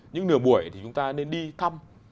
những nửa buổi thì chúng ta nên đi thăm